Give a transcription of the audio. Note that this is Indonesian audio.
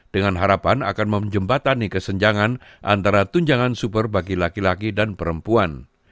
dengan harapan akan menjembatani kesenjangan antara tunjangan super bagi laki laki dan perempuan